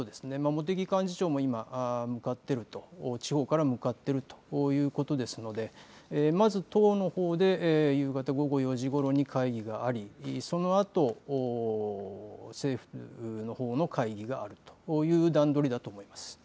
茂木幹事長も今向かっていると、地方から向かっているということですのでまず党のほうで夕方午後４時ごろに会議があり、そのあと政府のほうの会議があるという段取りだと思います。